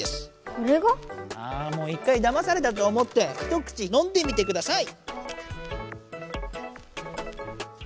これが？ああもう一回だまされたと思って一口のんでみてください。